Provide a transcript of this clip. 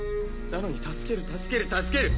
なのに助ける助ける助ける